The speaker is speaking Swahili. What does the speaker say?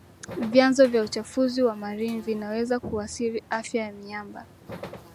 Vyanzo vya uchafuzi wa marine vinaweza kuathiri afya ya miamba